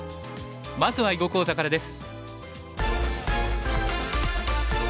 まずは囲碁講座からです。